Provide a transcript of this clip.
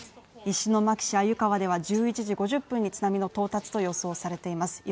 石巻市鮎川では１１時５０分に津波の到達と予想されています